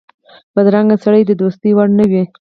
بدرنګه سړی د دوستۍ وړ نه وي